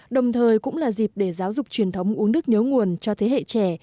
đồng thời cũng là dịp để giáo dục truyền thống uống nước nhớ nguồn cho thế hệ trẻ